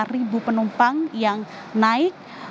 lima ribu penumpang yang naik